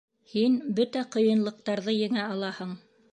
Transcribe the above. — Һин бөтә ҡыйынлыҡтарҙы еңә алаһың.